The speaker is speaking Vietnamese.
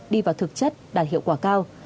đi vào thực chất đạt hiệu quả cao